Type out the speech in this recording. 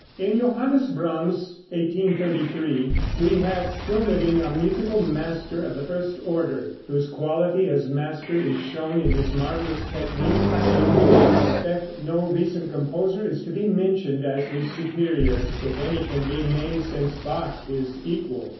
In Johannes Brahms (1833 ) we have still living a musical master of the first order, whose quality as master is shown in his marvelous technique, in which respect no recent composer is to be mentioned as his superior, if any can be named since Bach his equal.